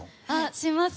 します。